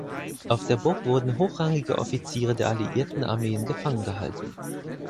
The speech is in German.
Auf der Burg wurden hochrangige Offiziere der alliierten Armeen gefangen gehalten.